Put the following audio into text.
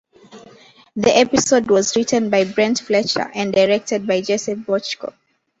The episode was written by Brent Fletcher and directed by Jesse Bochco.